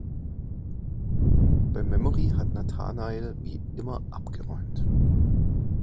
Beim Memory hat Nathanael wie immer abgeräumt.